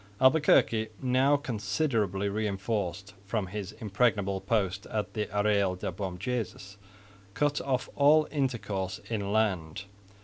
Albuquerque, now considerably reinforced from his impregnable post at the Arreyal de Bom Jesus, cut off all intercourse inland.